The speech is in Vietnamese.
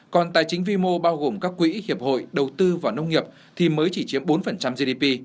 còn tài chính vi mô bao gồm các quỹ hiệp hội đầu tư vào nông nghiệp thì mới chỉ chiếm bốn gdp